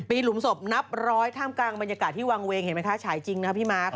มีหลุมศพนับร้อยท่ามกลางบรรยากาศที่วางเวงเห็นไหมคะฉายจริงนะครับพี่มาร์ค